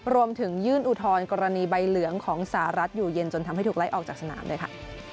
รวมถึงยื่นอุทธรณ์กรณีใบเหลืองของสหรัฐอยู่เย็นจนทำให้ถูกไล่ออกจากสนามด้วยค่ะ